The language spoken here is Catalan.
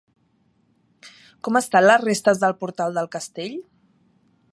Com estan les restes del portal del Castell?